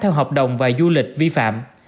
theo hợp đồng và du lịch vi phạm